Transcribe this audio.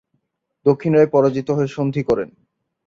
দক্ষিণ রায় পরাজিত হয়ে সন্ধি করেন।